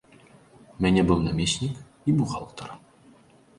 У мяне быў намеснік і бухгалтар.